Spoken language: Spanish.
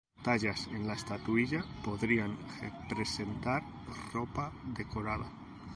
Tallas en la estatuilla podrían representar ropa decorada.